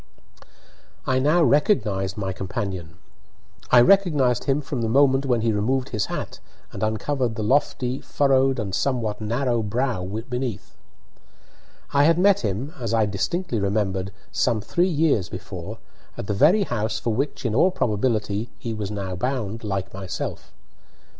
I now recognised my companion. I recognised him from the moment when he removed his hat and uncovered the lofty, furrowed, and somewhat narrow brow beneath. I had met him, as I distinctly remembered, some three years before, at the very house for which, in all probability, he was now bound, like myself.